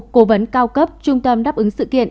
cố vấn cao cấp trung tâm đáp ứng sự kiện